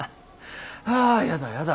あやだやだ。